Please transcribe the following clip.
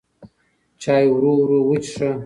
چای ورو ورو وڅښه.